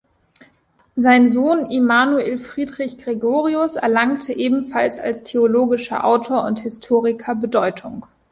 Sein Sohn Immanuel Friedrich Gregorius erlangte ebenfalls als theologischer Autor und Historiker Bedeutung.